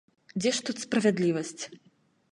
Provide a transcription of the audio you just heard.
Дзе ж тут справядлівасць?